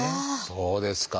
そうですか。